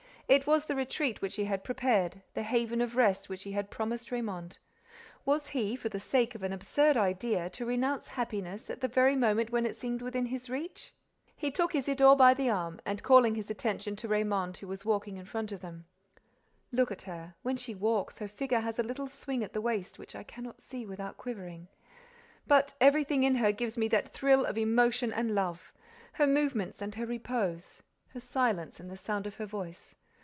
It was the retreat which he had prepared, the haven of rest which he had promised Raymonde. Was he, for the sake of an absurd idea, to renounce happiness at the very moment when it seemed within his reach? He took Isidore by the arm and, calling his attention to Raymonde, who was walking in front of them: "Look at her. When she walks, her figure has a little swing at the waist which I cannot see without quivering. But everything in her gives me that thrill of emotion and love: her movements and her repose, her silence and the sound of her voice.